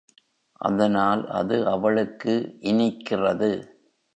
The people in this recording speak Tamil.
அதனால் அது அவளுக்கு இனிக்கிறது.